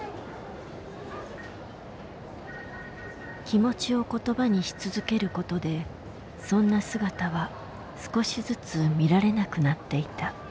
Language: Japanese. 気持ちを言葉にし続けることでそんな姿は少しずつ見られなくなっていた。